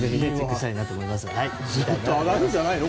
上がるんじゃないの？